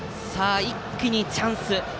一気にチャンス。